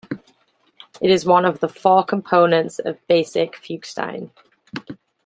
It is one of the four components of basic fuchsine.